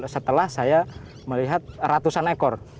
setelah saya melihat ratusan ekor